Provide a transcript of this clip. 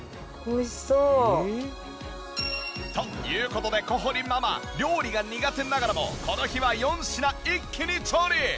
美味しそう。という事で小堀ママ料理が苦手ながらもこの日は４品一気に調理。